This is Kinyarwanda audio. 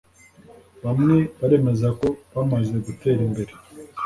bamwe baremeza ko bamaze gutera imbere